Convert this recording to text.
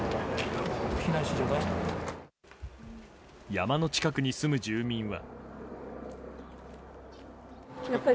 山の近くに住む住民は。